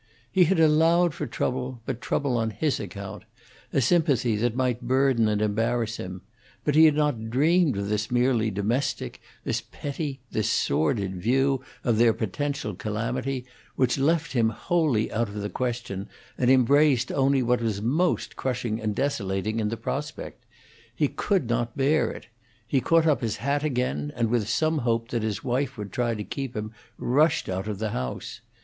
He had allowed for trouble, but trouble on his account: a svmpathy that might burden and embarrass him; but he had not dreamed of this merely domestic, this petty, this sordid view of their potential calamity, which left him wholly out of the question, and embraced only what was most crushing and desolating in the prospect. He could not bear it. He caught up his hat again, and, with some hope that his wife would try to keep him, rushed out of the house.